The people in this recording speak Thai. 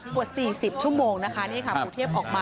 ประมาณ๔๐ชั่วโมงนะคะ